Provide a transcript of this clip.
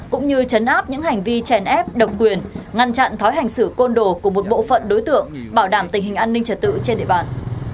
cũng như chấn áp những hành vi chèn ép độc quyền ngăn chặn thói hành xử côn đồ của một bộ phận đối tượng bảo đảm tình hình an ninh trật tự trên địa bàn